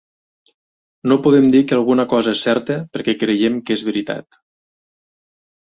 No podem dir que alguna cosa és certa, perquè creiem que és veritat.